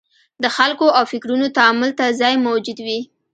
د خلکو او فکرونو تامل ته ځای موجود وي.